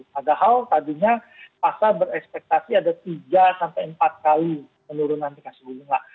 padahal tadinya pasar berekspektasi ada tiga sampai empat kali penurunan tingkat suku bunga